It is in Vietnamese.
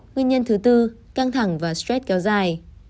nguyên nhân thứ tư căng thẳng và stress kéo dài